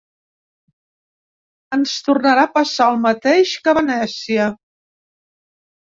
Ens tornarà a passar el mateix que a Venècia.